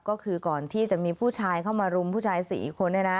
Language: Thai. ก็คือก่อนที่จะมีผู้ชายเข้ามารุมผู้ชาย๔คน